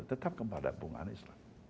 tetap kepada bung anies lah